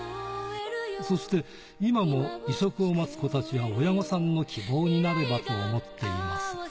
そして今も移植を待つ子たちや、親御さんの希望になればと思っています。